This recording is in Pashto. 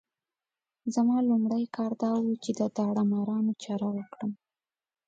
زما لومړی کار دا وو چې د داړه مارانو چاره وکړم.